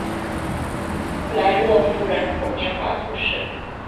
普莱洛夫人口变化图示